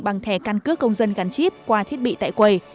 bằng thẻ căn cước công dân gắn chip qua thiết bị tại quầy